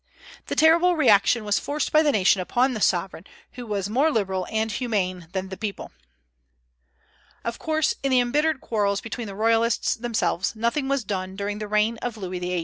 The terrible reaction was forced by the nation upon the sovereign, who was more liberal and humane than the people. Of course, in the embittered quarrels between the Royalists themselves, nothing was done during the reign of Louis XVIII.